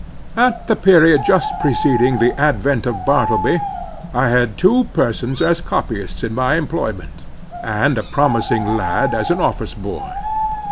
At the period just preceding the advent of Bartleby, I had two persons as copyists in my employment, and a promising lad as an office boy.